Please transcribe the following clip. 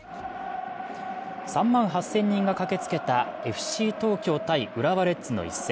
３万８０００人が駆けつけたＦＣ東京×浦和レッズの一戦。